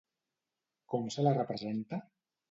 Com se la representa?